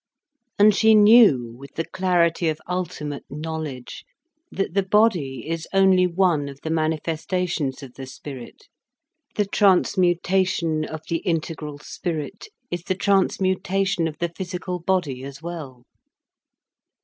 And she knew, with the clarity of ultimate knowledge, that the body is only one of the manifestations of the spirit, the transmutation of the integral spirit is the transmutation of the physical body as well.